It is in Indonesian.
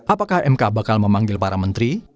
apakah mk bakal memanggil para menteri